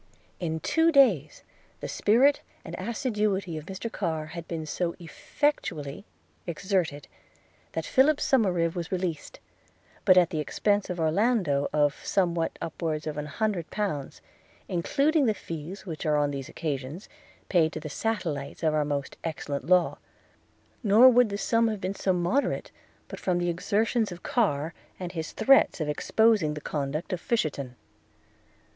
In two days the spirit and assiduity of Mr Carr had been so effectually exerted that Philip Somerive was released, but at the expence to Orlando of somewhat upwards of an hundred pounds, including the fees which are on these occasions paid to the satellites of our most excellent law; nor would the sum have been so moderate, but from the exertions of Carr, and his threats of exposing the conduct of Fisherton.